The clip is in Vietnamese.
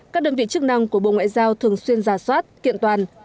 các đơn vị chức năng của bộ ngoại giao thường xuyên giả soát kiện toàn